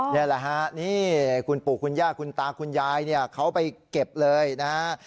นี่แหละฮะนี่คุณปู่คุณย่าคุณตาคุณยายเนี่ยเขาไปเก็บเลยนะฮะ